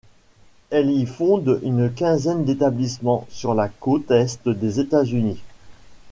Elles y fondent une quinzaine d'établissements sur la côte Est des États-Unis.